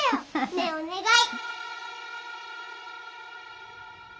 ねえお願い！